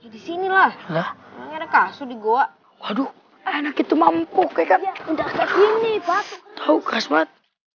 di sini lah ada kasur di goa waduh enak itu mampu kek udah ke sini tahu kasmat